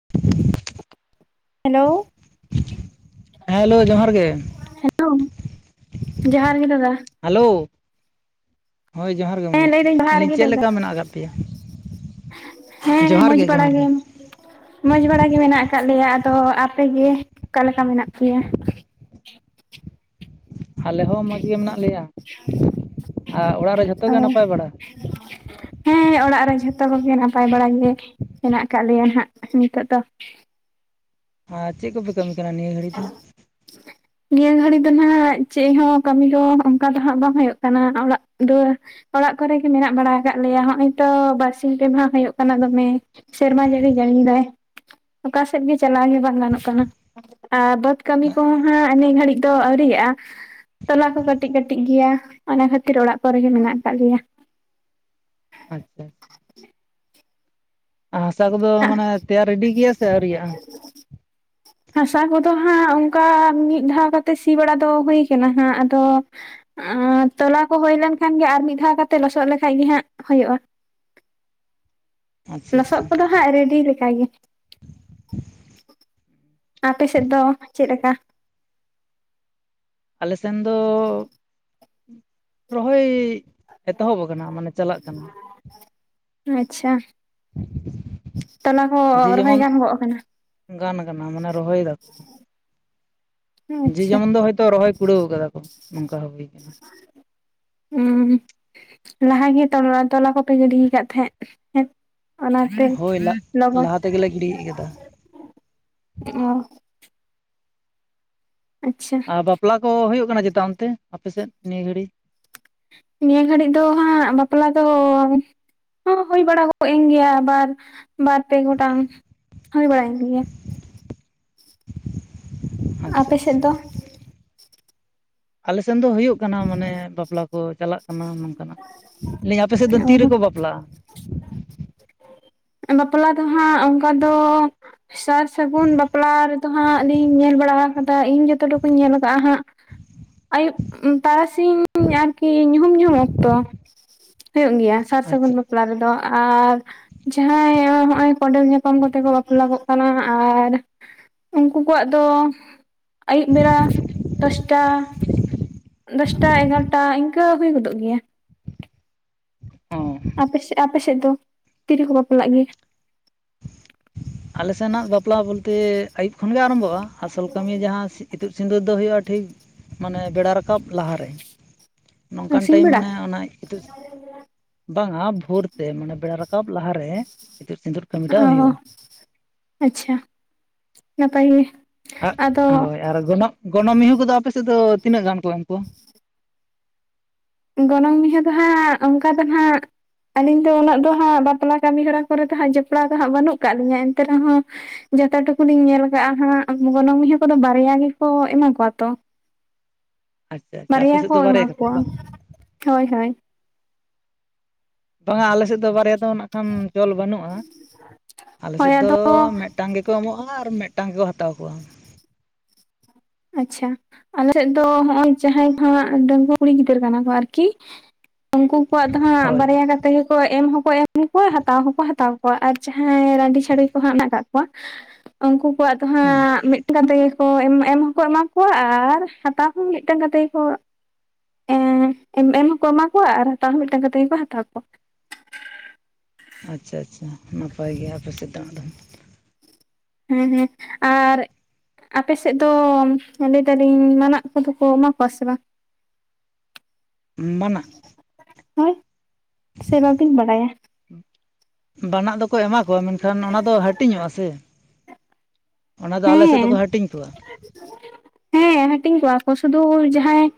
[inaudible] Hello, ᱦᱮᱸ hello ᱡᱚᱦᱟᱨ ᱜᱮ ᱾ ᱦᱮᱞᱳ ᱡᱚᱦᱟᱨ ᱜᱮ ᱫᱟᱫᱟ ᱾ ᱦᱮᱞᱳ, ᱦᱳᱭ ᱡᱚᱦᱟᱨ ᱜᱮ ᱢᱟᱹᱭ ᱦᱮᱸ ᱾ ᱞᱟᱹᱭ ᱞᱟᱹᱭᱫᱟᱹᱧ ᱮᱫᱟ ᱡᱚᱦᱟᱨ ᱞᱤᱧ ᱜᱮ ᱪᱮᱫ ᱫᱟᱫᱟ ᱞᱮᱠᱟ ᱢᱮᱱᱟᱜ ᱟᱠᱟᱫ ᱯᱮᱭᱟ? ᱦᱮᱸ ᱢᱚᱡᱽ ᱵᱟᱲᱟ ᱜᱮ ᱾ ᱢᱚᱸᱡᱽ ᱵᱟᱲᱟ ᱜᱮ ᱢᱮᱱᱟᱜ ᱟᱠᱟᱫ ᱞᱮᱭᱟ ᱾ ᱟᱫᱚ ᱟᱯᱮᱜᱮ ᱚᱠᱟᱞᱮ ᱞᱮᱠᱟ ᱢᱮᱱᱟᱜ ᱯᱮᱭᱟ? ᱟᱞᱮ ᱦᱚᱸ ᱢᱚᱡᱽ ᱜᱮ ᱢᱮᱱᱟᱜ ᱞᱮᱭᱟ ᱾ ᱟᱨ ᱚᱲᱟᱜ ᱨᱮ ᱡᱷᱚᱛᱚ ᱜᱮ ᱚ ᱱᱟᱯᱟᱭ ᱵᱟᱲᱟ? [inaudible] ᱦᱮᱸ ᱚᱲᱟᱜ ᱨᱮ ᱡᱷᱚᱛᱚ ᱠᱚᱜᱮ ᱱᱟᱯᱟᱭ ᱵᱟᱲᱟ ᱜᱮ ᱢᱮᱱᱟᱜ ᱟᱠᱟᱫ ᱞᱮᱭᱟ ᱦᱟᱸᱜ ᱱᱤᱛᱚᱜ ᱫᱚ ᱾ ᱟᱨ ᱪᱮᱫ ᱠᱚᱯᱮ ᱠᱟᱹᱢᱤ ᱠᱟᱱᱟ ᱱᱤᱭᱟᱹ ᱜᱷᱟᱹᱲᱤᱡ ᱫᱚ? ᱱᱤᱭᱟᱹ ᱜᱷᱟᱹᱲᱤᱡ ᱫᱚ ᱱᱦᱟᱸᱜ ᱪᱮᱫ ᱦᱚᱸ ᱠᱟᱹᱢᱤ ᱫᱚ ᱚᱱᱠᱟ ᱫᱚ ᱦᱟᱸᱜ ᱵᱟᱝ ᱦᱩᱭᱩᱜ ᱠᱟᱱᱟ ᱚᱲᱟᱜ ᱫᱩᱣᱟᱹᱨ ᱚᱲᱟᱜ ᱠᱚᱨᱮᱜᱮ ᱢᱮᱱᱟᱜ ᱵᱟᱲᱟ ᱟᱠᱟᱫ ᱞᱮᱭᱟ ᱱᱚᱜᱼᱚᱭ ᱛᱚ ᱵᱟᱨᱥᱤᱧ ᱯᱮ ᱢᱟᱦᱟ ᱦᱩᱭᱩᱜ ᱠᱟᱱᱟ ᱫᱚᱢᱮ, ᱥᱮᱨᱢᱟ ᱡᱟᱹᱲᱤ ᱡᱟᱹᱲᱤ ᱫᱟᱭ ᱾ ᱚᱠᱟᱥᱮᱫ ᱜᱮ ᱪᱟᱞᱟᱣ ᱜᱮ ᱵᱟᱝ ᱜᱟᱱᱚᱜ ᱠᱟᱱᱟ ᱾ ᱟᱨ ᱵᱟᱟᱹᱫᱽ ᱠᱟᱹᱢᱤ ᱠᱚᱦᱚᱸ ᱦᱟᱸ ᱱᱤᱭᱟᱹ ᱜᱷᱟᱹᱲᱤᱡ ᱫᱚ ᱟᱹᱣᱨᱤᱜᱼᱟ ᱾ ᱛᱚᱞᱟ ᱠᱚ ᱠᱟᱹᱴᱤᱡ ᱠᱟᱹᱴᱤᱡ ᱜᱮᱭᱟ, ᱚᱱᱟ ᱠᱷᱟᱛᱤᱨ ᱚᱲᱟᱜ ᱠᱚᱨᱮ ᱜᱮ ᱢᱮᱱᱟᱜ ᱟᱠᱟᱫ ᱞᱮᱭᱟ ᱾ ᱟᱪᱪᱷᱟ ᱾ ᱦᱟᱸᱥᱟ ᱠᱚᱫᱚ ᱢᱟᱱᱮ ᱛᱮᱭᱟᱨ ᱨᱮᱰᱤ ᱜᱮᱭᱟ ᱥᱮ ᱟᱹᱣᱨᱤᱭᱟᱜᱼᱟ? ᱦᱟᱸᱥᱟ ᱠᱚᱫᱚ ᱦᱟᱸᱜ ᱚᱱᱠᱟ ᱢᱤᱫ ᱫᱷᱟᱣ ᱠᱟᱛᱮᱜ ᱥᱤ ᱵᱟᱲᱟ ᱫᱚ ᱦᱩᱭ ᱠᱟᱱᱟ ᱦᱟᱸᱜ ᱟᱫᱚ ᱟᱨ ᱛᱚᱞᱟ ᱠᱚ ᱦᱩᱭ ᱞᱮᱱᱠᱷᱟᱱ ᱜᱮ ᱟᱨ ᱢᱤᱫ ᱫᱷᱟᱣ ᱠᱟᱛᱮᱜ ᱞᱚᱥᱚᱫ ᱞᱮᱠᱷᱟᱡ ᱜᱮ ᱦᱟᱸᱜ ᱦᱩᱭᱩᱜᱼᱟ ᱾ ᱟᱪᱪᱷᱟ ᱞᱚᱥᱚᱫ ᱟᱪᱪᱷᱟ ᱠᱚᱫᱚ ᱦᱟᱸᱜ ᱨᱮᱰᱤ ᱞᱮᱠᱟ ᱜᱮ ᱾ ᱟᱯᱮ ᱥᱮᱫ ᱫᱚ ᱪᱮᱫ ᱞᱮᱠᱟ? ᱟᱞᱮ ᱥᱮᱱ ᱫᱚ ᱨᱚᱦᱚᱭ ᱮᱛᱚᱦᱚᱵ ᱟᱠᱟᱱᱟ ᱢᱟᱱᱮ ᱾ ᱪᱟᱞᱟᱜ ᱠᱟᱱᱟ ᱾ ᱟᱪᱪᱷᱟ ᱾ [inaudible] ᱡᱮ ᱨᱚᱦᱚᱭ ᱡᱮᱢᱚᱱ ᱜᱟᱱ ᱜᱚᱜ ᱠᱟᱱᱟ ᱜᱟᱱ ᱠᱟᱱᱟ ᱢᱟᱱᱮ ᱨᱚᱦᱚᱭ ᱫᱟᱠᱚ ᱾ ᱡᱮ ᱟᱪᱪᱷᱟ ᱡᱮᱢᱚᱱ ᱫᱚ ᱦᱚᱭᱛᱳ ᱨᱚᱦᱚᱭ ᱠᱩᱲᱟᱹᱣ ᱠᱟᱫᱟ ᱠᱚ ᱱᱚᱝᱠᱟ ᱦᱩᱭ ᱠᱟᱱᱟ ᱾ ᱩᱸ ᱞᱟᱦᱟ ᱜᱮ ᱛᱚᱞᱟ ᱛᱚᱞᱟ ᱠᱚᱯᱮ ᱜᱤᱰᱤ ᱟᱠᱟᱛ ᱛᱟᱦᱮᱸᱫ ᱦᱮᱸ? ᱚᱱᱟ ᱛᱮ ᱦᱳᱭ ᱞᱚᱜᱚᱱ ᱞᱟᱦᱟ ᱛᱮᱜᱮᱞᱮ ᱜᱤᱰᱤ ᱠᱟᱫᱟ ᱚ ᱾ ᱟᱪᱪᱷᱟ ᱟᱨ ᱵᱟᱯᱞᱟ ᱠᱚ ᱦᱩᱭᱩᱜ ᱠᱟᱱᱟ ᱪᱮᱛᱟ ᱚᱱᱛᱮ ᱟᱯᱮ ᱥᱮᱫ ᱱᱤᱭᱟᱹ ᱜᱷᱟᱹᱲᱤ? ᱱᱤᱭᱟᱹ ᱜᱷᱟᱹᱲᱤᱡ ᱫᱚ ᱦᱟᱸᱜ ᱵᱟᱯᱞᱟ ᱫᱚ ᱦᱚᱸ ᱦᱩᱭ ᱵᱟᱲᱟᱜ ᱮᱱ ᱜᱮᱭᱟ ᱾ ᱟᱵᱟᱨ ᱵᱟᱨ ᱯᱮ ᱜᱚᱴᱟᱝ ᱦᱩᱭ ᱵᱟᱲᱟᱭᱮᱱ ᱜᱮᱭᱟ ᱾ ᱟᱪᱪᱷᱟ ᱟᱯᱮ ᱥᱮᱜ ᱟᱪᱪᱷᱟ ᱫᱚ? ᱟᱞᱮ ᱥᱮᱱ ᱫᱚ ᱦᱩᱭᱩᱜ ᱠᱟᱱᱟ ᱢᱟᱱᱮ ᱵᱟᱯᱞᱟ ᱠᱚ ᱪᱟᱞᱟᱜ ᱠᱟᱱᱟ ᱱᱚᱝᱠᱟ ᱾ ᱞᱟᱹᱭ ᱤᱧ ᱟᱯᱮ ᱥᱮᱫ ᱫᱚ ᱛᱤ ᱨᱮᱠᱚ ᱵᱟᱯᱞᱟᱜᱼᱟ? ᱵᱟᱯᱞᱟ ᱫᱚ ᱦᱟᱸᱜ ᱚᱱᱠᱟ ᱫᱚ ᱥᱟᱨ ᱥᱟᱹᱜᱩᱱ ᱵᱟᱯᱞᱟ ᱨᱮᱫᱚ ᱦᱟᱸᱜ ᱞᱤᱧ ᱧᱮᱞ ᱵᱟᱲᱟ ᱟᱠᱟᱫᱟ, ᱤᱧ ᱡᱚᱛᱚ ᱴᱩᱠᱩᱧ ᱧᱮᱞ ᱟᱠᱟᱫᱟ ᱦᱟᱸᱜ ᱟᱭᱩᱵ ᱛᱟᱨᱟᱥᱤᱧ ᱟᱨᱠᱤ ᱧᱩᱦᱩᱢ ᱧᱩᱦᱩᱢ ᱚᱠᱛᱚ᱾ ᱦᱩᱭᱩᱜ ᱜᱮᱭᱟ ᱥᱟᱨ ᱟᱪᱪᱷᱟ ᱥᱟᱹᱜᱩᱱ ᱵᱟᱯᱞᱟ ᱨᱮᱫᱚ ᱟᱨ ᱡᱟᱦᱟᱸᱭ ᱦᱚᱸᱦᱚᱭ ᱠᱚᱰᱮᱞ ᱧᱟᱯᱟᱢ ᱠᱟᱛᱮ ᱠᱚ ᱵᱟᱯᱞᱟ ᱠᱚᱜ ᱠᱟᱱᱟ ᱟᱨ ᱩᱱᱠᱩ ᱠᱚᱣᱟᱜ ᱫᱚ ᱟᱹᱭᱩᱵ ᱵᱮᱲᱟ ᱫᱚᱥᱴᱟ ᱫᱚᱥᱴᱟ ᱮᱜᱟᱨᱚᱴᱟ ᱤᱱᱠᱟᱹ ᱦᱩᱭ ᱜᱚᱫᱚᱜ ᱜᱮᱭᱟ᱾ ᱚ᱾ ᱟᱯᱮ ᱟᱯᱮ ᱥᱮᱫ ᱫᱚ ᱛᱤᱨᱮᱠᱚ ᱵᱟᱯᱞᱟᱜ ᱜᱮᱭᱟ? ᱟᱞᱮ ᱥᱮᱱᱟᱜ ᱵᱟᱯᱞᱟ ᱵᱚᱞᱛᱮ ᱟᱹᱭᱩᱵ ᱠᱷᱚᱱ ᱜᱮ ᱟᱨᱟᱢᱵᱷᱚᱜᱼᱟ, ᱟᱥᱚᱞ ᱠᱟᱹᱢᱤ ᱡᱟᱦᱟᱸ ᱤᱛᱩᱫ ᱥᱤᱸᱫᱩᱨ ᱫᱚ ᱦᱩᱭᱩᱜᱼᱟ, ᱴᱷᱤᱠ ᱢᱟᱱᱮ ᱵᱮᱲᱟ ᱨᱟᱠᱟᱵ ᱨᱟᱠᱟᱵ ᱞᱟᱦᱟᱨᱮ ᱱᱚᱝᱠᱟᱱ ᱥᱤᱧ ᱴᱟᱭᱤᱢ ᱵᱮᱲᱟ ᱢᱟᱱᱮ ᱚᱱᱟ ᱤᱛᱩᱫ ᱵᱟᱝᱟ ᱵᱷᱳᱨ ᱛᱮ ᱢᱟᱱᱮ ᱵᱮᱲᱟ ᱨᱟᱠᱟᱵ ᱞᱟᱦᱟᱨᱮ ᱦᱤᱛᱩᱛ ᱥᱤᱸᱫᱩᱨ ᱠᱟᱹᱢᱤᱴᱟᱜ ᱚ ᱦᱩᱭᱩᱜᱼᱟ ᱟᱪᱪᱷᱟ ᱱᱟᱯᱟᱭ ᱜᱮ᱾ ᱟᱜ ᱟᱫᱚ ᱦᱳᱭ ᱟᱨ ᱜᱚᱱᱚᱜ ᱜᱚᱱᱚᱜ ᱢᱤᱦᱩ ᱠᱚᱫᱚ ᱟᱯᱮᱥᱮᱫ ᱫᱚ ᱛᱤᱱᱟᱹᱜ ᱜᱟᱱ ᱠᱚ ᱮᱢ ᱠᱚᱣᱟ? ᱜᱚᱱᱚᱝ ᱢᱤᱦᱩ ᱫᱚ ᱦᱟᱸᱜ ᱚᱱᱠᱟ ᱫᱚ ᱦᱟᱸᱜ ᱟᱹᱞᱤᱧ ᱫᱚ ᱩᱱᱟᱹᱜ ᱫᱚ ᱦᱟᱸᱜ ᱵᱟᱯᱞᱟ ᱠᱟᱹᱢᱤ ᱦᱚᱨᱟ ᱠᱚ ᱫᱚ ᱦᱟᱸᱜ ᱡᱚᱯᱲᱟᱣ ᱫᱚ ᱦᱟᱸᱜ ᱵᱟᱹᱱᱩᱜ ᱠᱟᱫ ᱞᱤᱧᱟ ᱮᱱᱛᱮ ᱨᱮᱦᱚᱸ ᱡᱚᱛᱚ ᱴᱩᱠᱩ ᱞᱤᱧ ᱧᱮᱞ ᱟᱠᱟᱜᱼᱟ ᱦᱟᱸᱜ ᱜᱚᱱᱚᱝ ᱢᱤᱦᱩ ᱠᱚᱫᱚ ᱵᱟᱨᱭᱟ ᱜᱮᱠᱚ ᱮᱢᱟ ᱠᱚᱣᱟ ᱛᱚ᱾ ᱟᱪᱪᱷᱟ ᱟᱪᱪᱷᱟ ᱟᱯᱮ ᱵᱟᱨᱭᱟ ᱥᱮᱫ ᱠᱚ ᱫᱚ ᱮᱢᱟ ᱵᱟᱨᱭᱟ ᱠᱟᱛᱮᱫ ᱠᱚᱣᱟ ᱵᱟᱝ? ᱦᱳᱭ ᱦᱳᱭ᱾ ᱵᱟᱝ ᱟ ᱟᱞᱮ ᱥᱮᱫ ᱫᱚ ᱵᱟᱨᱭᱟ ᱫᱚ ᱱᱟᱜ ᱠᱷᱟᱱ ᱪᱚᱞ ᱵᱟᱹᱱᱩᱜᱼᱟ ᱟᱞᱮ ᱦᱳᱭ ᱥᱮᱫ ᱫᱚ ᱟᱫᱚ ᱢᱤᱫ ᱢᱤᱫᱴᱟᱝ ᱜᱮᱠᱚ ᱮᱢᱚᱜᱼᱟ ᱟᱨ ᱢᱤᱫᱴᱟᱝ ᱜᱮᱠᱚ ᱦᱟᱛᱟᱣ ᱠᱚᱣᱟ᱾ ᱟᱪᱪᱷᱟ ᱟᱞᱮ ᱥᱮᱫ ᱫᱚ ᱦᱚ ᱚᱭ ᱡᱟᱦᱟᱭ ᱦᱟᱸᱜ ᱰᱟᱺᱜᱩ ᱠᱩᱲᱤ ᱜᱤᱫᱽᱨᱟᱹ ᱠᱟᱱᱟ ᱠᱚ ᱟᱨᱠᱤ ᱩᱱᱠᱩ ᱠᱚᱣᱟᱜ ᱫᱚ ᱦᱟᱸᱜ ᱦᱳᱭ ᱦᱳᱭ ᱵᱟᱨᱭᱟ ᱜᱟᱱ ᱛᱮᱜᱮ ᱠᱚ ᱮᱢ ᱦᱚᱸᱠᱚ ᱮᱢ ᱠᱚᱣᱟ ᱦᱟᱛᱟᱣ ᱦᱚᱸᱠᱚ ᱦᱟᱛᱟᱣ ᱠᱚᱣᱟ ᱟᱨ ᱡᱟᱦᱟᱸᱭ ᱨᱟᱺᱰᱤ ᱪᱷᱟᱹᱲᱤ ᱠᱚᱦᱚᱸ ᱦᱮᱱᱟᱜ ᱠᱟᱜ ᱠᱚᱣᱟ ᱩᱱᱠᱩ ᱠᱚᱣᱟᱜ ᱫᱚ ᱦᱩᱸ᱾ ᱢᱤᱫᱴᱮᱱ ᱠᱟᱛᱮ ᱜᱮ ᱠᱚ ᱮᱢ ᱦᱚᱸᱠᱚ ᱮᱢᱟ ᱠᱚᱣᱟ ᱟᱨ ᱦᱟᱛᱟᱣ ᱦᱚᱸ ᱢᱤᱫᱴᱮᱱ ᱠᱟᱛᱮᱜ ᱜᱮ ᱠᱚ ᱮᱢ ᱦᱚᱸᱠᱚ ᱮᱢᱟ ᱠᱚᱣᱟ ᱟᱨ ᱦᱟᱛᱟᱣ ᱦᱚᱸ ᱢᱤᱫᱴᱟᱝ ᱠᱟ ᱠᱟᱛᱮᱜ ᱜᱮ ᱠᱚ ᱦᱟᱛᱟᱣ ᱠᱚᱣᱟ᱾ ᱟᱪᱪᱷᱟ ᱟᱪᱪᱷᱟ ᱱᱟᱯᱟᱭ ᱜᱮᱭᱟ ᱟᱯᱮ ᱥᱮᱫ ᱫᱚ᱾ ᱦᱮᱸ ᱦᱮᱸ ᱟᱨ ᱟᱯᱮ ᱥᱮᱫ ᱫᱚ ᱞᱟᱹᱭ ᱫᱟᱞᱤᱧ ᱢᱟᱱᱟᱜ ᱠᱚᱫᱚ ᱠᱚ ᱮᱢᱟ ᱠᱚᱣᱟ ᱥᱮ ᱵᱟᱝ? ᱢᱟᱱᱟᱜ! ᱦᱳᱭ ᱥᱮ ᱵᱟᱵᱤᱧ ᱵᱟᱲᱟᱭᱟ? ᱵᱟᱱᱟᱜ ᱫᱚᱠᱚ ᱮᱢᱟ ᱠᱚᱣᱟ ᱢᱮᱱᱠᱷᱟᱱ ᱚᱱᱟ ᱫᱚ ᱦᱟᱹᱴᱤᱧᱚᱜᱼᱟ ᱥᱮ? ᱚᱱᱟ ᱫᱚ ᱟᱞᱮ ᱥᱮᱫ ᱦᱮᱸ ᱫᱚᱠᱚ ᱦᱟᱹᱴᱤᱧ ᱠᱚᱣᱟ᱾ ᱦᱮᱸ ᱦᱟᱹᱴᱤᱧ ᱠᱚᱜᱣᱟ ᱠᱚ ᱥᱩᱫᱩ ᱡᱟᱦᱟᱸᱭ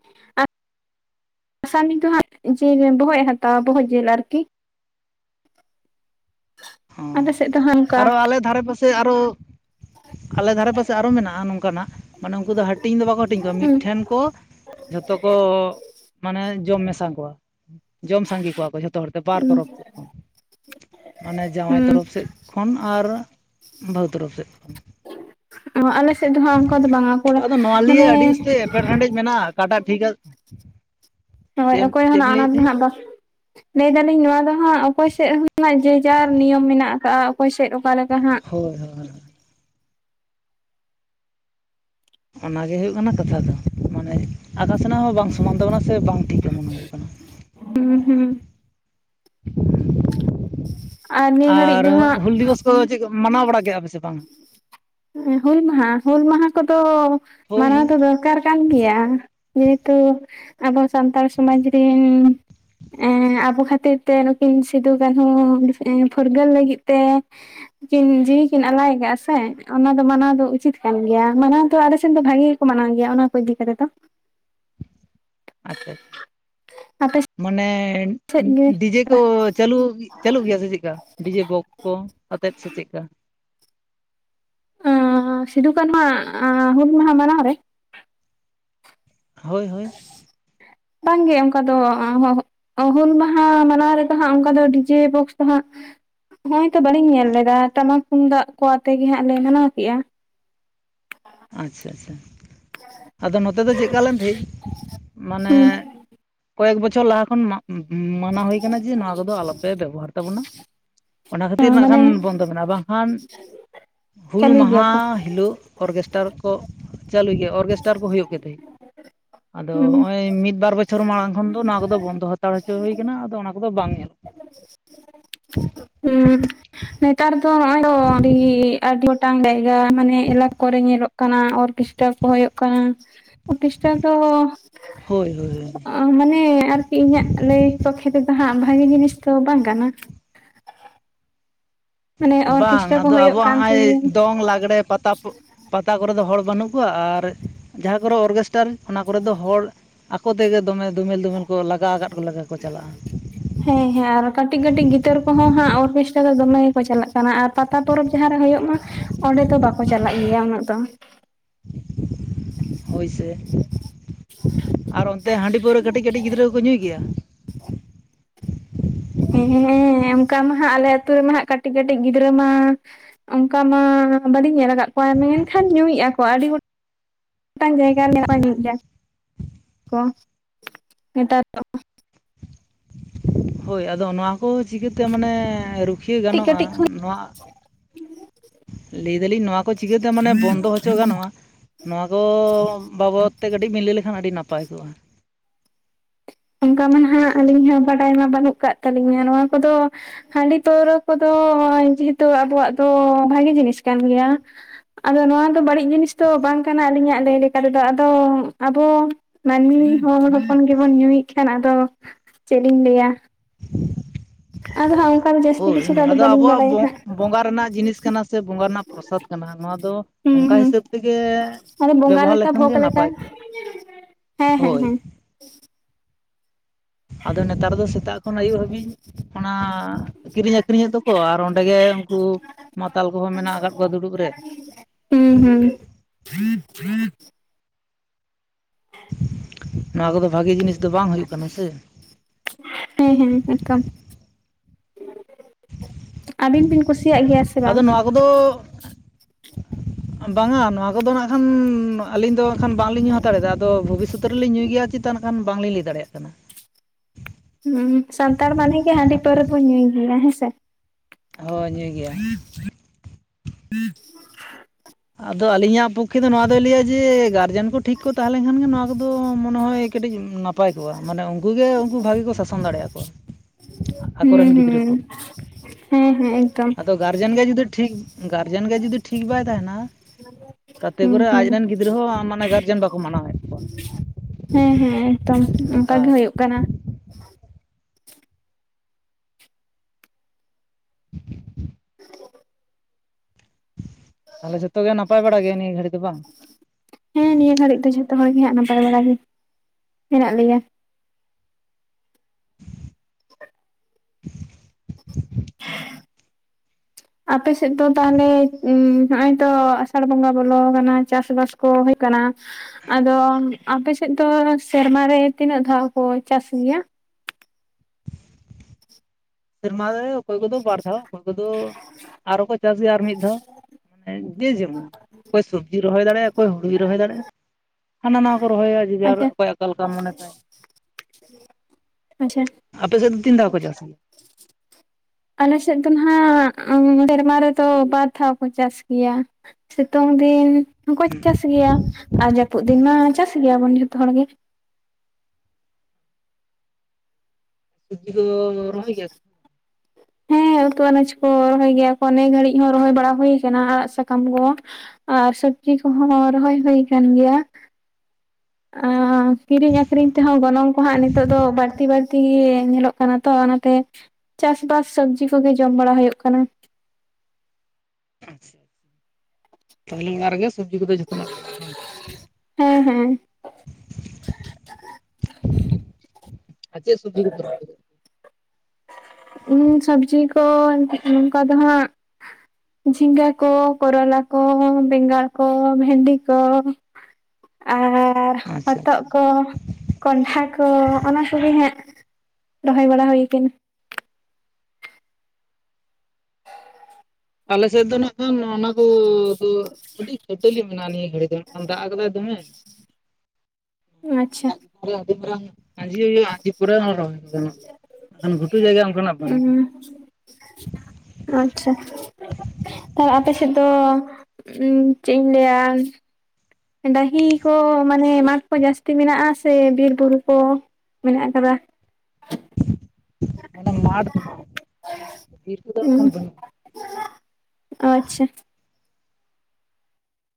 ᱟᱥᱟᱢᱤ ᱫᱚ ᱦᱟᱸᱜ ᱡᱤᱞ ᱵᱚᱦᱚᱜ ᱮ ᱦᱟᱛᱟᱣᱟ ᱵᱚᱦᱚᱜ ᱡᱤᱞ ᱟᱨᱠᱤ᱾ ᱦᱚᱸ ᱟᱞᱮ ᱥᱮᱫ ᱫᱚ ᱦᱟᱸᱜ ᱚᱱᱠᱟ ᱟᱨᱚ ᱟᱞᱮ ᱫᱷᱟᱨᱮ ᱯᱟᱥᱮ ᱟᱨᱚ ᱟᱞᱮ ᱫᱷᱟᱨᱮ ᱯᱟᱥᱮ ᱟᱨᱚ ᱢᱮᱱᱟᱜᱼᱟ ᱱᱚᱝᱠᱟᱱᱟᱜ᱾ ᱢᱟᱱᱮ ᱩᱱᱠᱩ ᱫᱚ ᱦᱟᱹᱴᱤᱧ ᱫᱚ ᱵᱟᱠᱚ ᱦᱟᱹᱴᱤᱧ ᱠᱚᱣᱟ ᱦᱩᱸ ᱢᱤᱫᱴᱷᱮᱱ ᱠᱚ ᱡᱷᱚᱛᱚ ᱠᱚ ᱢᱟᱱᱮ ᱡᱚᱢ ᱢᱮᱥᱟ ᱠᱚᱣᱟ᱾ ᱡᱚᱢ ᱥᱟᱸᱜᱮ ᱠᱚᱜᱣᱟ ᱠᱚ ᱡᱷᱚᱛᱚ ᱦᱚᱲᱛᱮ ᱵᱟᱨ ᱛᱚᱨᱚᱯ ᱥᱮᱫ ᱠᱷᱚᱱ᱾ ᱦ [unintelligible] ᱢᱟᱱᱮ ᱡᱟᱶᱟᱸᱭ ᱛᱚᱨᱚᱯᱷ ᱥᱮᱫ ᱠᱷᱚᱱ ᱟᱨ ᱵᱟᱹᱦᱩ ᱛᱚᱨᱚᱯ ᱥᱮᱫ ᱟᱞᱮ ᱥᱮᱫ ᱫᱚ ᱦᱟᱸᱜ ᱚᱱᱠᱟ ᱫᱚ ᱵᱟᱝᱟ ᱠᱚᱲᱟ ᱟᱫᱚ ᱱᱚᱣᱟ ᱞᱤᱭᱟᱹ ᱢᱟᱱᱮ ᱟᱹᱰᱤ ᱤᱥᱛᱮ ᱮᱯᱮᱨᱦᱮᱰᱮᱡ ᱢᱮᱱᱟᱜᱼᱟ᱾ ᱟᱠᱟ ᱴᱟᱜ ᱴᱷᱤᱠᱟ? ᱦᱳᱭ ᱚᱠᱚᱭ ᱪᱮᱫ ᱦᱚᱸ ᱵᱤᱱ ᱞᱟᱹᱭᱮᱫ ᱟᱸᱱᱟᱴ ᱜᱮ ᱦᱮᱸ ᱛᱟᱦᱮᱸᱫ ᱦᱟᱸᱜ ᱵᱟ- ᱞᱟᱹᱭ ᱫᱟᱞᱤᱧ ᱱᱚᱣᱟ ᱫᱚ ᱦᱟᱸᱜ ᱚᱠᱚᱭ ᱥᱮᱫ ᱦᱚᱸ [inaudible] ᱡᱮ-ᱡᱟᱨ ᱱᱤᱭᱚᱢ ᱢᱮᱱᱟᱜ ᱟᱠᱟᱫ-ᱟ᱾ ᱚᱠᱚᱭ ᱥᱮᱫ ᱚᱠᱟᱞᱮᱠᱟ ᱦᱟᱸᱜ ᱦᱳᱭ ᱦᱳᱭ ᱦᱚᱭ᱾ ᱚᱱᱟ ᱜᱮ ᱦᱩᱭᱩᱜ ᱠᱟᱱᱟ ᱠᱟᱛᱷᱟ ᱫᱚ ᱢᱟᱱᱮ ᱟᱠᱟᱸ ᱥᱮᱱᱟᱜ ᱦᱚᱸ ᱵᱟᱝ ᱥᱚᱢᱟᱱ ᱛᱟᱵᱚᱱᱟ ᱥᱮ ᱵᱟᱝ ᱴᱷᱤᱠ ᱟᱵᱚᱱ ᱦᱩᱭᱩᱜ ᱠᱟᱱᱟ᱾ ᱦᱩᱸ ᱦᱩᱸ ᱱᱤᱭᱟᱹ ᱜᱷᱟᱹᱲᱤᱡ ᱟᱨ ᱫᱚ ᱦᱟᱸᱜ ᱦᱩᱞ ᱫᱤᱵᱚᱥ ᱠᱚ ᱪᱮᱫ ᱠᱚ ᱢᱟᱱᱟᱣ ᱵᱟᱲᱟ ᱠᱮᱫᱟ ᱯᱮ ᱥᱮ ᱵᱟᱝ? ᱦᱩᱞ ᱢᱟᱦᱟ ᱦᱩᱞ ᱢᱟᱦᱟ ᱠᱚᱫᱚ ᱦᱳᱭ ᱢᱟᱱᱟᱣ ᱦᱳᱭ ᱫᱚ ᱫᱚᱨᱠᱟᱨ ᱠᱟᱱ ᱜᱮᱭᱟ ᱡᱮᱦᱮᱛᱩ ᱟᱵᱚ ᱥᱟᱱᱛᱟᱲ ᱥᱚᱢᱟᱡᱽ ᱨᱤᱱ ᱮᱸ ᱟᱵᱚ ᱠᱷᱟᱹᱛᱤᱨ ᱛᱮ ᱱᱩᱠᱤᱱ ᱥᱷᱤᱫᱩ-ᱠᱟᱹᱱᱦᱩ ᱯᱷᱩᱨᱜᱟᱹᱞ ᱞᱟᱹᱜᱤᱫ ᱛᱮ ᱠᱤᱱ ᱡᱤᱣᱤ ᱠᱤᱱ ᱟᱞᱟᱭ ᱟᱠᱟᱫᱟ ᱥᱮ᱾ ᱚᱱᱟ ᱫᱚ ᱢᱟᱱᱟᱣ ᱫᱚ ᱩᱪᱤᱛ ᱠᱟᱱ ᱜᱮᱭᱟ, ᱢᱟᱱᱟᱣ ᱫᱚ ᱟᱞᱮᱥᱮᱱ ᱫᱚ ᱵᱷᱟᱜᱤ ᱜᱮᱠᱚ ᱢᱟᱱᱟᱣ ᱜᱮᱭᱟ ᱚᱱᱟ ᱠᱚ ᱤᱫᱤ ᱠᱟᱛᱮᱫ ᱫᱚ᱾ ᱟᱪᱪᱷᱟ ᱟᱪᱪᱷᱟ ᱟᱯᱮ ᱢᱟᱱᱮ ᱥᱮᱫ ᱜᱮ ᱰᱤᱡᱮ ᱠᱚ ᱪᱟᱹᱞᱩ ᱪᱟᱹᱞᱩᱜ ᱜᱮᱭᱟ ᱥᱮ ᱪᱮᱫᱠᱟ ᱰᱤᱡᱮ ᱵᱚᱠᱥ ᱠᱚ ᱟᱛᱮᱫ ᱥᱮ ᱪᱮᱫᱠᱟ? ᱟᱻ ᱥᱷᱤᱫᱩ-ᱠᱟᱹᱱᱦᱩ ᱟᱜ ᱦᱩᱞ ᱢᱟᱦᱟ ᱢᱟᱱᱟᱣ ᱨᱮ᱾ ᱦᱳᱭ ᱦᱳᱭ᱾ ᱵᱟᱝᱜᱮ ᱚᱱᱠᱟ ᱫᱚ [unintelligible] ᱦᱩᱞ ᱢᱟᱦᱟ ᱢᱟᱱᱟᱣ ᱨᱮᱫᱚ ᱦᱟᱸᱜ ᱚᱱᱠᱟ ᱫᱚ ᱰᱤᱡᱮ ᱵᱚᱠᱥ ᱫᱚ ᱦᱟᱸᱜ ᱱᱚᱜ-ᱚᱭ ᱛᱚ ᱵᱟᱞᱤᱧ ᱧᱮᱞ ᱞᱮᱫᱟ ᱴᱟᱢᱟᱠ ᱛᱩᱢᱫᱟᱜ ᱠᱚ ᱟᱛᱮᱜ ᱜᱮ ᱦᱟᱸᱜ ᱞᱮ ᱢᱟᱱᱟᱣ ᱠᱮᱫ-ᱟ᱾ ᱟᱪᱪᱷᱟ ᱟᱪᱪᱷᱟ ᱟᱫᱚ ᱱᱚᱛᱮ ᱫᱚ ᱪᱮᱫᱠᱟ ᱞᱮᱱ ᱛᱟᱦᱮᱸᱫ ᱢᱟᱱᱮ ᱦᱩᱸ ᱠᱚᱭᱮᱠ ᱵᱚᱪᱷᱚᱨ ᱞᱟᱦᱟ ᱠᱷᱚᱱ ᱢᱟᱜ- ᱢᱟᱱᱟᱣ ᱦᱩᱭ ᱠᱟᱱᱟ ᱡᱮ ᱱᱚᱣᱟ ᱠᱚᱫᱚ ᱟᱞᱚ ᱯᱮ ᱵᱮᱵᱚᱦᱟᱨ ᱛᱟᱵᱚᱱᱟ ᱚᱱᱟ ᱠᱷᱟᱛᱤᱨ ᱱᱟᱸᱜ ᱢᱟᱱᱮ ᱠᱷᱟᱱ ᱵᱚ- ᱛᱟᱵᱚᱱᱟ ᱵᱟᱝᱠᱷᱟᱱ ᱦᱩᱞ ᱪᱟᱹᱞᱩᱭ ᱜᱮᱭᱟ ᱠᱚ ᱢᱟᱦᱟᱸ ᱦᱤᱞᱳᱜ ᱚᱨᱜᱮᱥᱴᱟᱨ ᱠᱚ ᱪᱟᱹᱞᱩᱭ ᱜᱮᱭᱟ ᱚᱨᱜᱮᱥᱴᱟᱨ ᱠᱚ ᱦᱩᱭᱩᱜ ᱜᱮ ᱛᱟᱦᱮᱸᱫ᱾ ᱟᱫᱚ ᱦᱩᱸ ᱱᱚᱜ-ᱚᱭ ᱢᱤᱫ ᱵᱟᱨ ᱵᱚᱪᱷᱚᱨ ᱢᱟᱲᱟᱝ ᱠᱷᱚᱱ ᱫᱚ ᱚᱱᱟ ᱠᱚᱫᱚ ᱵᱚᱱᱫᱚ ᱦᱟᱛᱟᱲ ᱦᱚᱪᱚ ᱦᱩᱭ ᱠᱟᱱᱟ ᱟᱫᱚ ᱚᱱᱟ ᱠᱚᱫᱚ ᱵᱟᱝ ᱧᱮᱞᱚᱜ [unintelligible] ᱦᱮᱸ ᱱᱮᱛᱟᱨ ᱫᱚ ᱱᱚᱜᱚᱭ ᱟᱹᱰᱤ ᱟᱹᱰᱤ ᱜᱚᱴᱟᱝ ᱰᱟᱹᱦᱤ᱾ ᱢᱟᱱᱮ ᱮᱞᱟᱴ ᱠᱚᱨᱮ ᱧᱮᱞᱚᱜ ᱠᱟᱱᱟ ᱚᱨᱠᱮᱥᱴᱟᱨ ᱠᱚ ᱦᱩᱭᱩᱜ ᱠᱟᱱᱟ᱾ ᱚᱨᱠᱮᱥᱴᱟᱨ ᱫᱚ ᱦᱳᱭ ᱦᱳᱭ ᱦᱳᱭ, ᱢᱟᱱᱮ ᱟᱨᱠᱤ ᱤᱧᱟᱹᱜ ᱞᱟᱹᱭ ᱯᱚᱠᱠᱷᱮ ᱛᱮᱫᱚ ᱦᱟᱸᱜ ᱵᱷᱟᱜᱤ ᱡᱤᱱᱤᱥ ᱫᱚ ᱵᱟᱝ ᱠᱟᱱᱟ᱾ ᱢᱟᱱᱮ ᱵᱟᱝ ᱚᱨᱠᱮᱥᱴᱨᱟ ᱠᱚ ᱟᱫᱚ ᱦᱩᱭᱩᱜ ᱟᱵᱚᱣᱟᱜ ᱠᱟᱱ ᱦᱟᱸᱜ-ᱟᱭ ᱛᱮᱜᱮ ᱫᱚᱝ, ᱞᱟᱜᱽᱲᱮ ᱯᱟᱛᱟ, ᱯᱚ- ᱯᱟᱛᱟ ᱠᱚᱨᱮ ᱫᱚ ᱦᱚᱲ ᱵᱟᱹᱱᱩᱜ ᱠᱚᱣᱟ ᱟᱨ ᱡᱟᱦᱟᱸ ᱠᱚᱨᱮ ᱚᱨᱜᱮᱥᱴᱟᱨ ᱚᱱᱟ ᱠᱚᱨᱮ ᱫᱚ ᱦᱚᱲ ᱟᱠᱚ ᱛᱮᱜᱮ ᱫᱚᱢᱮ ᱫᱚᱢᱮᱞ ᱫᱚᱢᱮᱞ ᱠᱚ ᱞᱟᱜᱟ ᱟᱠᱟᱫ ᱞᱮᱠᱟ ᱠᱚ ᱪᱟᱞᱟᱜ-ᱟ᱾ ᱦᱮᱸ ᱦᱮᱸ ᱟᱨ ᱠᱟᱹᱴᱤᱡ ᱠᱟᱹᱴᱤᱡ ᱜᱤᱫᱟᱹᱨ ᱠᱚᱦᱚᱸ ᱦᱟᱸᱜ ᱚᱨᱜᱮᱥᱴᱟᱨ ᱫᱚᱢᱮ ᱜᱮᱠᱚ ᱪᱟᱞᱟᱜ ᱠᱟᱱᱟ ᱟᱨ ᱯᱟᱛᱟ, ᱯᱚᱨᱚᱵᱽ ᱡᱟᱦᱟᱸᱨᱮ ᱦᱳᱭᱳᱜ ᱢᱟ ᱚᱸᱰᱮ ᱫᱚ ᱵᱟᱠᱚ ᱪᱟᱞᱟᱜ ᱜᱮᱭᱟ ᱩᱱᱟᱹᱜ ᱫᱚ᱾ ᱦᱳᱭ ᱥᱮ ᱟᱨ ᱚᱱᱛᱮ ᱦᱟᱺᱰᱤ-ᱯᱟᱹᱣᱨᱟᱹ ᱠᱟᱹᱴᱤᱡ ᱠᱟᱹᱴᱤᱡ ᱜᱤᱫᱽᱨᱟᱹ ᱠᱚᱠᱚ ᱧᱩᱭ ᱜᱮᱭᱟ? ᱦᱮᱸᱻᱦᱮ ᱚᱱᱠᱟ ᱢᱟ ᱦᱟᱸᱜ ᱟᱞᱮ ᱟᱛᱩ ᱨᱮᱢᱟ ᱦᱟᱸᱜ ᱠᱟᱹᱴᱤᱡ ᱠᱟᱹᱴᱤᱡ ᱜᱤᱫᱽᱨᱟᱹ ᱢᱟ ᱚᱱᱠᱟ ᱢᱟ ᱵᱟᱹᱞᱤᱧ ᱧᱮᱞ ᱟᱠᱟᱫ ᱠᱚᱣᱟᱭ ᱢᱮᱱᱠᱷᱟᱱ ᱧᱩᱭᱮᱫ ᱟᱠᱚ ᱟᱹᱰᱤ ᱜᱚ- ᱴᱟᱝ ᱡᱟᱭᱜᱟ [unintelligible] ᱠᱚ ᱱᱮᱛᱟᱨ ᱫᱚ᱾ ᱦᱳᱭ ᱟᱫᱚ ᱱᱚᱣᱟ ᱠᱚ ᱪᱤᱠᱟᱹᱛᱮ ᱢᱟᱱᱮ ᱨᱩᱠᱷᱤᱭᱟᱹ ᱠᱟᱹᱴᱤᱡ ᱜᱟᱱᱚᱜ-ᱟ ᱠᱟᱹᱴᱤᱡ ᱠᱷᱚᱱ ᱱᱚᱣᱟ? ᱞᱟᱹᱭ ᱫᱟᱞᱤᱧ ᱱᱚᱣᱟ ᱠᱚ ᱪᱤᱠᱟᱹᱛᱮ ᱢᱟᱱᱮ ᱵᱚᱱᱫᱚ ᱦᱚᱪᱚ ᱜᱟᱱᱚᱜ-ᱟ᱾ ᱱᱚᱣᱟ ᱠᱚ ᱵᱟᱵᱚᱫ ᱛᱮ ᱠᱟᱹᱴᱤᱡ ᱵᱤᱱ ᱞᱟᱹᱭ ᱞᱮᱠᱷᱟᱱ ᱟᱹᱰᱤ ᱱᱟᱯᱟᱭ ᱠᱚᱜ-ᱟ᱾ ᱚᱱᱠᱟ ᱢᱟᱦᱟᱜ ᱟᱹᱞᱤᱧ ᱦᱚᱸ ᱵᱟᱰᱟᱭ ᱢᱟ ᱵᱟᱹᱱᱩᱜ ᱠᱟᱜ ᱛᱟᱹᱞᱤᱧᱟ ᱱᱚᱣᱟ ᱠᱚᱫᱚ ᱦᱟᱺᱰᱤ-ᱯᱟᱹᱣᱨᱟᱹ ᱠᱚᱫᱚ ᱡᱮᱦᱮᱛᱩ ᱟᱵᱚᱣᱟᱜ ᱫᱚ ᱵᱷᱟᱜᱮ ᱡᱤᱱᱤᱥ ᱠᱟᱱ ᱜᱮᱭᱟ᱾ ᱟᱫᱚ ᱱᱚᱣᱟ ᱫᱚ ᱵᱟᱹᱲᱤᱡ ᱡᱤᱱᱤᱥ ᱫᱚ ᱵᱟᱝ ᱠᱟᱱᱟ ᱟᱞᱤᱧᱟᱜ ᱞᱟᱹᱭ ᱞᱮᱠᱟ ᱛᱮᱫ ᱟᱫᱚ ᱟᱵᱚ ᱢᱟᱹᱱᱢᱤ ᱦᱚᱲ ᱦᱚᱯᱚᱱ ᱜᱮᱵᱚᱱ ᱧᱩᱭᱮᱫ ᱠᱷᱟᱱ ᱟᱫᱚ ᱪᱮᱫ ᱤᱧ ᱞᱟᱹᱭᱟ᱾ ᱟᱫᱚ ᱦᱟᱸᱜ ᱚᱱᱠᱟ ᱫᱚ ᱡᱟᱹᱥᱛᱤ ᱦᱳᱭ ᱠᱤᱪᱷᱩ ᱱᱚᱣᱟ ᱟᱫᱚ ᱫᱚ ᱵᱟᱹᱞᱤᱧ ᱟᱵᱚᱣᱟᱜ ᱵᱟᱲᱟᱭᱟ ᱦᱟᱸᱜ ᱵᱚ-ᱵᱚᱸᱜᱟ ᱨᱮᱱᱟᱜ ᱡᱤᱱᱤᱥ ᱠᱟᱱᱟ ᱥᱮ ᱵᱚᱸᱜᱟ ᱨᱮᱱᱟᱜ ᱯᱨᱚᱥᱟᱫ ᱠᱟᱱᱟ᱾ ᱱᱚᱣᱟ ᱫᱚ ᱦᱮᱸ ᱚᱱᱠᱟ ᱦᱮᱸ ᱦᱤᱥᱟᱹᱵ ᱛᱮᱜᱮ ᱟᱫᱚ ᱵᱚᱸᱜᱟ ᱵᱮᱵᱚᱦᱟᱨ ᱞᱮᱠᱟ, ᱞᱮᱠᱷᱟᱱ ᱵᱷᱜᱽ ᱜᱮ ᱞᱮᱠᱟ᱾ ᱱᱟᱯᱟᱭ ᱠᱚᱜᱼᱟ ᱦᱮᱸ ᱦᱮᱸ ᱦᱳᱭ ᱦᱮᱸ᱾ ᱟᱫᱚ ᱱᱮᱛᱟᱨ ᱫᱚ ᱥᱮᱛᱟᱜ ᱠᱷᱚᱱ ᱟᱹᱭᱩᱵ ᱦᱟᱹᱵᱤᱡ ᱚᱱᱟ ᱠᱤᱨᱤᱧ ᱟᱹᱠᱷᱨᱤᱧᱮᱫ ᱫᱚᱠᱚ ᱟᱨ ᱚᱸᱰᱮ ᱜᱮ ᱩᱱᱠᱩ ᱢᱟᱛᱟᱞ ᱠᱚᱦᱚᱸ ᱢᱮᱱᱟᱜ ᱟᱠᱟᱫ ᱠᱚᱣᱟ ᱫᱩᱲᱩᱵ ᱨᱮ᱾ ᱦᱩᱸ ᱦᱩᱸ᱾ [inaudible] ᱱᱚᱣᱟ ᱠᱚᱫᱚ ᱵᱷᱟᱜᱮ ᱡᱤᱱᱤᱥ ᱫᱚ ᱵᱟᱝ ᱦᱩᱭᱩᱜ ᱠᱟᱱᱟ ᱥᱮ᱾ ᱦᱮᱸ ᱦᱮᱸ ᱮᱫᱚᱢ᱾ ᱟᱹᱵᱤᱱ ᱵᱤᱱ ᱠᱩᱥᱤᱭᱟᱜ ᱜᱮᱭᱟ ᱥᱮ ᱟᱫᱚ ᱵᱟᱝ? ᱱᱚᱣᱟ ᱠᱚᱫᱚ ᱵᱟᱝᱟ ᱱᱚᱣᱟ ᱠᱚᱫᱚ ᱦᱟᱸᱜ ᱠᱷᱟᱱ ᱟᱹᱞᱤᱧ ᱫᱚ ᱦᱟᱜ ᱠᱷᱟᱱ ᱵᱟᱝᱞᱤᱧ ᱧᱩ ᱦᱟᱛᱟᱲᱮᱫᱟ ᱟᱫᱚ ᱵᱷᱚᱵᱤᱥᱚᱛ ᱨᱮᱞᱤᱧ ᱧᱩᱭ ᱜᱮᱭᱟ ᱪᱮᱛᱟᱱ ᱠᱷᱟᱱ ᱵᱟᱝᱞᱤᱧ ᱞᱟᱹᱭ ᱫᱟᱲᱮᱭᱟᱜ ᱠᱟᱱᱟ᱾ ᱦᱩᱸ ᱥᱟᱱᱛᱟᱲ ᱢᱟᱱᱮ ᱜᱮ ᱦᱟᱺᱰᱤ ᱱᱟᱜ᱾ ᱯᱟᱹᱣᱨᱟ ᱫᱚᱵᱚᱱ ᱧᱩᱭ ᱜᱮᱭᱟ ᱦᱮᱸᱥᱮ᱾ ᱦᱳᱭ ᱧᱩᱭ ᱜᱮᱭᱟ [inaudible] ᱟᱫᱚ ᱟᱹᱞᱤᱧᱟᱜ ᱯᱚᱠᱠᱷᱮ ᱫᱚ ᱱᱚᱣᱟ ᱫᱚᱭ ᱞᱟᱹᱭᱟ ᱡᱮ ᱜᱟᱨᱡᱮᱱ ᱠᱚ ᱴᱷᱤᱠ ᱠᱚ ᱛᱟᱦᱮᱸ ᱞᱮᱱ ᱠᱷᱟᱱ ᱜᱮ ᱱᱚᱣᱟ ᱠᱚᱫᱚ ᱢᱚᱱᱮ ᱦᱚᱭ ᱠᱟᱹᱴᱤᱡ ᱱᱟᱯ ᱯᱟᱭ ᱠᱚᱜᱼᱟ ᱢᱟᱱᱮ ᱩᱱᱠᱩᱜ ᱜᱮ ᱩᱱᱠᱩ ᱵᱷᱟᱜᱮ ᱠᱚ ᱥᱟᱥᱚᱱ ᱫᱟᱲᱮᱭᱟ ᱠᱚᱣᱟ᱾ ᱦᱩᱸ ᱟᱠᱚᱨᱮᱱ ᱜᱤᱫᱽᱨᱟᱹ ᱠᱚ ᱦᱩᱸ᱾ ᱦᱮᱸ ᱦᱮᱸ ᱮᱠᱫᱚᱢ᱾ ᱟᱫᱚ ᱜᱟᱨᱡᱮᱱ ᱜᱮ ᱡᱩᱫᱤ ᱴᱷᱤᱠ᱾ ᱜᱟᱨᱡᱮᱱ ᱜᱮ ᱡᱩᱫᱤ ᱴᱷᱤᱠ ᱵᱟᱭ ᱛᱟᱦᱮᱱᱟ ᱛᱟᱛᱮ ᱦᱩᱸ ᱠᱚᱨᱮ ᱦᱩᱸ ᱟᱡᱨᱮᱱ ᱜᱤᱫᱽᱨᱟᱹ ᱦᱚᱸ ᱢᱟᱱᱮ ᱜᱟᱨᱡᱮᱱ ᱵᱟᱠᱚ ᱢᱟᱱᱟᱣᱮᱫ ᱠᱚᱣᱟ᱾ ᱦᱮᱸ ᱦᱮᱸ ᱮᱠᱫᱚᱢ ᱚᱱᱠᱟ ᱱᱚᱝᱠᱟ ᱜᱮ ᱦᱚᱭᱩᱜ ᱠᱟᱱᱟ᱾ [inaudible] ᱛᱟᱦᱚᱞᱮ ᱡᱷᱚᱛᱚ ᱜᱮ ᱱᱟᱯᱟᱭ ᱵᱟᱲᱟ ᱜᱮ ᱱᱤᱭᱟᱹ ᱜᱷᱟᱹᱲᱤ ᱫᱚ ᱵᱟᱝ? ᱦᱮᱸ ᱱᱤᱭᱟᱹ ᱜᱷᱟᱹᱲᱤᱡ ᱫᱚ ᱡᱷᱚᱛᱚ ᱦᱚᱲ ᱜᱮ ᱦᱟᱸᱜ ᱱᱟᱯᱟᱭ ᱵᱟᱲᱟ ᱜᱮ ᱦᱮᱱᱟᱜ ᱞᱮᱭᱟ᱾ [inaudible] ᱟᱯᱮᱥᱮᱫ ᱫᱚ ᱛᱟᱦᱚᱞᱮ ᱦᱸᱚᱜ-ᱚᱭ ᱛᱚ ᱟᱥᱟᱲ ᱵᱚᱸᱜᱟ ᱵᱚᱞᱚᱣ ᱟᱠᱟᱱᱟ ᱪᱟᱥ ᱵᱟᱥ ᱠᱚ ᱦᱩᱭᱩᱜ ᱠᱟᱱᱟ᱾ ᱟᱫᱚ ᱟᱯᱮ ᱥᱮᱫ ᱫᱚ ᱥᱮᱨᱢᱟ ᱨᱮ ᱛᱤᱱᱟᱹᱜ ᱫᱷᱟᱣ ᱠᱚ ᱪᱟᱥ ᱜᱮᱭᱟ? ᱥᱮᱨᱢᱟ ᱨᱮ ᱚᱠᱚᱭ ᱠᱚᱫᱚ ᱵᱟᱨ ᱫᱷᱟᱣ ᱚᱠᱚᱭ ᱠᱚᱫᱚ ᱟᱨᱦᱚ ᱠᱚ ᱪᱟᱥ ᱜᱮᱭᱟ ᱟᱨ ᱢᱤᱫ ᱫᱷᱟᱣ᱾ ᱡᱮ ᱡᱮᱢᱚᱱ ᱚᱠᱚᱭ ᱥᱚᱵᱽᱡᱤ ᱨᱚᱦᱚᱭ ᱫᱟᱲᱮᱭᱟᱜᱼᱟ, ᱚᱠᱚᱭ ᱦᱳᱲᱩᱭ ᱨᱚᱦᱚᱭ ᱫᱟᱲᱮᱭᱟᱜᱼᱟ᱾ ᱦᱟᱱᱟ ᱱᱟᱣᱟ ᱠᱚ ᱨᱚᱦᱚᱭᱟ ᱡᱮᱡᱟᱨ ᱟᱪᱪᱷᱟ ᱚᱠᱚᱭ ᱚᱠᱟ ᱞᱮᱠᱟ ᱢᱚᱱᱮ ᱛᱟᱭ᱾ [inaudible] ᱟᱪᱪᱷᱟ᱾ ᱟᱯᱮ ᱥᱮᱫ ᱫᱚ ᱛᱤᱱ ᱫᱷᱟᱣ ᱠᱚ ᱪᱟᱥ ᱜᱮᱭᱟ? ᱟᱞᱮᱥᱮᱫ ᱫᱚ ᱱᱟᱦᱟᱜ ᱰᱮᱨᱢᱟ ᱨᱮᱫᱚ ᱵᱟᱨ ᱫᱷᱟᱣ ᱠᱚ ᱪᱟᱥ ᱜᱮᱭᱟ᱾ ᱥᱤᱛᱩᱝ ᱫᱤᱱ ᱦᱚᱸᱠᱚ ᱪᱟᱥ ᱜᱮᱭᱟ ᱟᱨ ᱡᱟᱹᱯᱩᱫ ᱫᱤᱱ ᱢᱟ ᱪᱟᱥ ᱜᱮᱭᱟᱵᱚᱱ ᱡᱚᱛᱚ ᱦᱚᱲ ᱜᱮ᱾ [inaudible] ᱨᱚᱦᱚᱭ ᱜᱮᱭᱟ ᱦᱮᱸ ᱩᱛᱩ ᱟᱱᱟᱡ ᱠᱚ ᱨᱚᱦᱚᱭ ᱜᱮᱭᱟ ᱠᱚ ᱱᱤᱭᱟ ᱜᱷᱲᱤᱡ ᱦᱚᱸ ᱨᱚᱦᱚᱭ ᱵᱟᱲᱟ ᱦᱩᱭ ᱟᱠᱟᱱᱟ ᱟᱲᱟᱜ ᱥᱟᱠᱟᱢ ᱠᱚ᱾ ᱟᱨ ᱥᱚᱵᱡᱤ ᱠᱚᱦᱚᱸ ᱨᱚᱦᱚᱭ ᱦᱩᱭ ᱟᱠᱟᱱ ᱜᱮᱭᱟ᱾ ᱟᱻ ᱠᱤᱨᱤᱧ ᱟᱠᱷᱨᱤᱧ ᱛᱮᱦᱚᱸ ᱜᱚᱱᱚᱝ ᱠᱚ ᱦᱟᱸᱜ ᱱᱤᱛᱚᱜ ᱫᱚ ᱵᱟᱹᱲᱛᱤ ᱵᱟᱹᱲᱛᱤ ᱜᱮ ᱧᱮᱞᱚᱜ ᱠᱟᱱᱟ ᱛᱚ, ᱚᱱᱟᱛᱮ ᱪᱟᱥᱵᱟᱥ ᱥᱚᱵᱡᱤ ᱠᱚᱜᱮ ᱡᱚᱢ ᱵᱟᱲᱟ ᱦᱩᱭᱩᱜ ᱠᱟᱱᱟ ᱾ ᱟᱪᱪᱷᱟ ᱛᱟᱦᱞᱮ ᱟᱨ ᱵᱮᱥ ᱥᱚᱵᱽᱡᱤ ᱠᱚᱫᱚ ᱡᱚᱛᱚ ᱱᱟᱜ ᱢᱮᱱᱟᱜ-ᱟ ᱵᱟᱝ? ᱦᱮᱸ ᱦᱮᱸ [inaudible] ᱟᱨ ᱪᱮᱫ ᱥᱚᱵᱽᱡᱤ ᱠᱚ ᱯᱮ? ᱩ ᱥᱚᱵᱡᱤ ᱠᱚ ᱱᱚᱝᱠᱟ ᱫᱚ ᱦᱟᱸᱜ, ᱡᱷᱤᱜᱟ ᱠᱚ, ᱠᱚᱨᱞᱟ ᱠᱚ, ᱵᱮᱸᱜᱟᱟᱲ ᱠᱚ, ᱵᱷᱮᱱᱰᱤ ᱠᱚ [inaudible] ᱟᱨ ᱟᱪᱪᱷᱟ ᱦᱚᱛᱚᱜ ᱟᱪᱪᱷᱟ ᱠᱚ ᱾ ᱠᱚᱱᱰᱷᱟ ᱠᱚ ᱚᱱᱟ ᱠᱚᱜᱮ ᱦᱟᱸᱜ ᱨᱚᱦᱚᱭ ᱵᱟᱲᱟ ᱦᱳᱭ ᱠᱟᱱᱟ ᱾ ᱟᱞᱮᱥᱮᱫ ᱫᱚ ᱱᱟᱜ ᱠᱷᱟᱱ ᱚᱱᱟ ᱠᱚ ᱫᱚ ᱟᱹᱰᱤ ᱠᱷᱟᱹᱴᱟᱹᱞᱤ ᱢᱮᱱᱟᱜᱼᱟ, ᱱᱤᱭᱟᱹ ᱜᱷᱟᱹᱲᱤᱡ ᱫᱚ ᱟᱜᱠᱷᱟᱱ ᱫᱟᱜ ᱟᱠᱟᱫᱟᱭ ᱫᱚᱢᱮ ᱾ ᱟᱪᱪᱷᱟ, [inaudible] ᱟᱹᱰᱤ ᱢᱟᱨᱟᱝ ᱟᱺᱡᱷᱤ ᱦᱩᱭᱩᱜᱼᱟ ᱟᱺᱡᱷᱤ ᱯᱚᱨᱮ ᱦᱚᱸ ᱨᱚᱦᱚᱭ ᱜᱟᱱᱚᱜᱼᱟ ᱵᱟᱠᱷᱟᱱ ᱜᱷᱩᱴᱩ ᱡᱟᱭᱜᱟ ᱚᱱᱠᱟᱱᱟᱜ ᱩᱸ ᱵᱟᱹᱱᱩᱜᱼᱟ ᱾ ᱟᱪᱪᱷᱟ, ᱛᱟᱦᱚᱞᱮ ᱟᱯᱮ ᱥᱮᱫ ᱫᱚ ᱪᱮᱫ ᱤᱧ ᱞᱟᱹᱭᱟ ᱾ ᱰᱟᱹᱺᱦᱤ ᱠᱚ ᱢᱟᱱᱮ ᱢᱟᱴᱷ ᱠᱚ ᱡᱟᱹᱥᱛᱤ ᱢᱮᱱᱟᱜᱼᱟ ᱥᱮ ᱵᱤᱨ ᱵᱩᱨᱩ ᱠᱚ ᱢᱮᱱᱟᱜ ᱟᱠᱟᱫᱟ? ᱢᱟᱱᱮ ᱢᱟᱴᱷ ᱢᱮᱱᱟᱜᱼᱟ ᱵᱤᱨ ᱫᱚ ᱟᱜᱠᱷᱟᱱ ᱦᱩᱸ ᱵᱟᱹᱱᱩᱜᱼᱟ ᱾ ᱟᱪᱪᱷᱟ ᱾